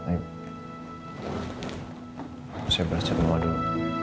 saya berasur rumah dulu